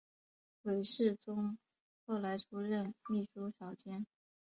韦士宗后来出任秘书少监。